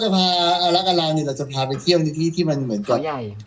แต่ว่าเราจะพารักอร่างเราจะพาไปเที่ยวที่มันเหมือนกัน